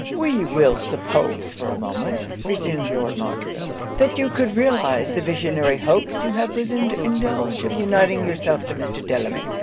'We will suppose for a moment,' resumed Lord Montreville, 'that you could realize the visionary hopes you have presumed to indulge of uniting yourself to Mr. Delamere.